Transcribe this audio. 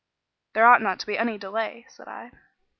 "There ought not to be any delay," said I.